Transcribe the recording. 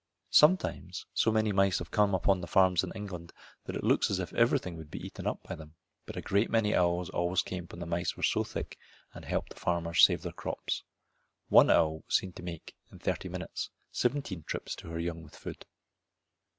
Sometimes so many mice have come upon the farms in England that it looked as if everything would be eaten up by them. But a great many owls always came when the mice were so thick and helped the farmers save their crops. One owl was seen to make, in thirty minutes, seventeen trips to her young with food.